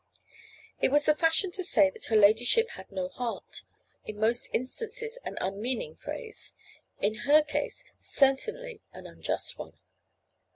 It was the fashion to say that her ladyship had no heart; in most instances an unmeaning phrase; in her case certainly an unjust one.